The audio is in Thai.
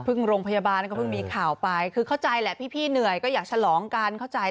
โรงพยาบาลก็เพิ่งมีข่าวไปคือเข้าใจแหละพี่เหนื่อยก็อยากฉลองกันเข้าใจ